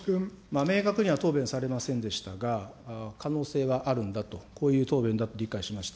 明確には答弁されませんでしたが、可能性はあるんだと、こういう答弁だと理解しました。